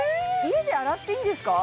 家で洗っていいんですか？